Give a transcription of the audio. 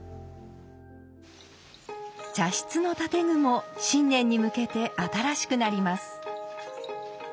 茶室の建具も新年に向けて新しくなります。